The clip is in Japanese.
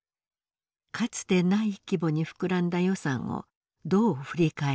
かつてない規模に膨らんだ予算をどう振り返るのか。